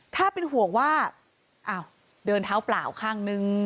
ถ้าเป็นห่วงว่าอ้าวเดินเท้าเปล่าข้างนึง